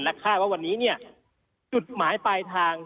และค่าว่าวันนี้จุดหมายปลายทาง